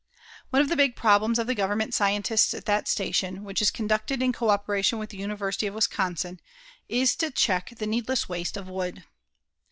One of the big problems of the government scientists at that station, which is conducted in coöperation with the University of Wisconsin, is to check the needless waste of wood.